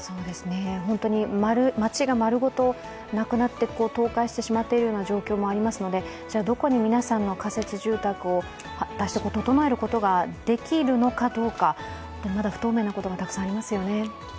本当に町が丸ごとなくなって、倒壊してしまっている状況もありますのでどちらに皆さんの仮設住宅を果たして整えることができるのかどうか、まだ不透明なことがたくさんありますよね。